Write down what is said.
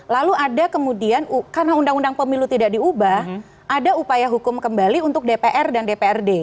lalu ada kemudian karena undang undang pemilu tidak diubah ada upaya hukum kembali untuk dpr dan dprd